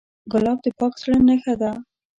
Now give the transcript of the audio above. ګلاب د پاک زړه نښه ده.